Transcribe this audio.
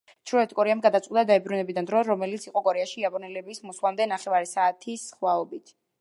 ჩრდილოეთ კორეამ გადაწყვიტა დაებრუნებინა დრო, რომელიც იყო კორეაში იაპონელების მოსვლამდე ნახევარი საათის სხვაობით.